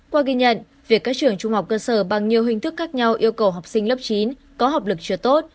qua ghi nhận việc các trường trung học cơ sở bằng nhiều hình thức khác nhau yêu cầu học sinh lớp chín có học lực chưa tốt